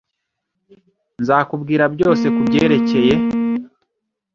Nzakubwira byose kubyerekeye.